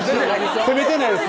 責めてないです